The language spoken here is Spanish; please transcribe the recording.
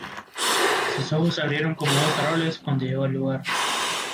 Sus ojos se abrieron como dos faroles cuando llegó al lugar.